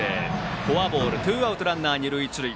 フォアボールでツーアウトランナー、二塁一塁。